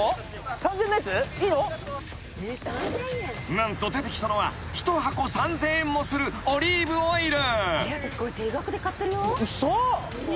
［何と出てきたのは一箱３，０００円もするオリーブオイル］